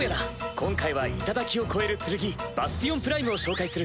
今回は頂を超える剣バスティオン・プライムを紹介する。